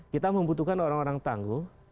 kita membutuhkan orang orang tangguh